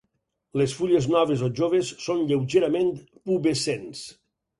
Les fulles noves o joves són lleugerament pubescents.